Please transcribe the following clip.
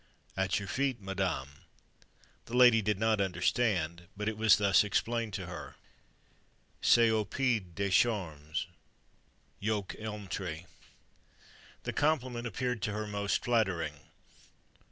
"At your feet, madame." The lady did not understand; but it was thus explained to her: "C'est au pied des charmes" (yoke elm tree). The compliment appeared to her most flattering.